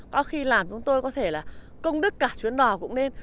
có khi làm chúng tôi có thể là công đức cả chuyến đò cũng nên